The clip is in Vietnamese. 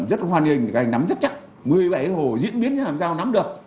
rất hoàn hình nắm rất chắc một mươi bảy hồ diễn biến như làm sao nắm được